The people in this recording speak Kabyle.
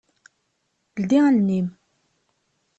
Ldi allen-im!